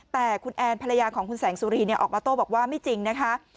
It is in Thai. แต่คุณแอนภรรยาของคุณแสงสุรีออกมาโต้บอกว่าไม่จริงนะคะ